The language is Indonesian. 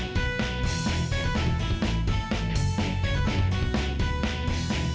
baik baik baik